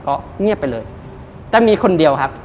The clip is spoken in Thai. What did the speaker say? ก็เงียบไปเลยแต่มีคนเดียวครับ